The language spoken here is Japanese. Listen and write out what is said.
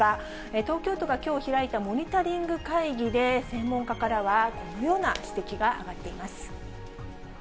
東京都がきょう開いたモニタリング会議で専門家からは、このような指摘が上がっています。